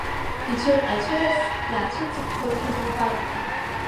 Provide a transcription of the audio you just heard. Ицәырҟьацәырас, иаацәыҵыԥхоит шәахәақәакгьы.